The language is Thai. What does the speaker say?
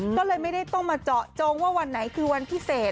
ก็เลยไม่ได้ต้องมาเจาะจงว่าวันไหนคือวันพิเศษ